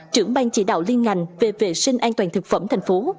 trưởng bang chỉ đạo liên ngành về vệ sinh an toàn thực phẩm thành phố